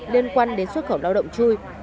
liên quan đến xuất khẩu lao động chui